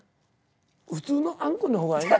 普通のあんこの方がええ。